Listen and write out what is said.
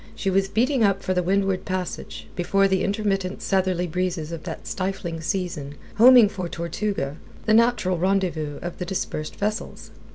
she was beating up for the Windward Passage, before the intermittent southeasterly breezes of that stifling season, homing for Tortuga, the natural rendezvous of the dispersed vessels.